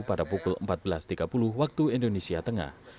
pada pukul empat belas tiga puluh waktu indonesia tengah